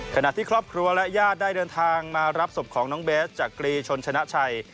ขณะที่ครอบครัวและญาติได้เดินทางมารับศพของน้องเบสจากกรีชนชนะชัย